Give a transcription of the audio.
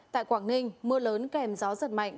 tại quảng ninh mưa lớn kèm gió giật mạnh